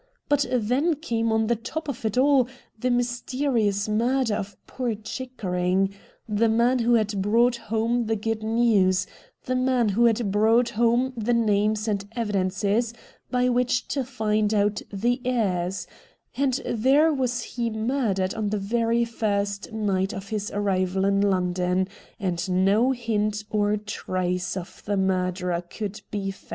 But then came on the top of it all the mysterious murder of poor Chickering — the man who had brought home the good news, the man who had brought home the names and evidences by which to find out the heirs — and there was he murdered on the very first night of his arrival in London, and no hint or trace of the murderer could be found